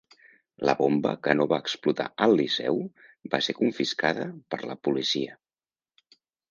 La bomba que no va explotar al Liceu va ser confiscada per la policia.